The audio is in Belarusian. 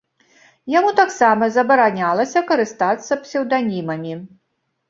Яму таксама забаранялася карыстацца псеўданімамі.